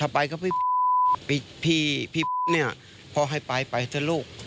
ถ้าไปก็พี่เนี่ยพ่อให้ไปไปเถอะลูก